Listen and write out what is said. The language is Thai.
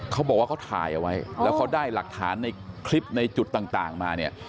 เขาบอกว่าเขาถ่ายเอาไว้แล้วเขาได้หลักฐานในคลิปในจุดต่างมาเนี่ย